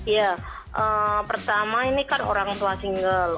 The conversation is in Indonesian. ya pertama ini kan orang tua single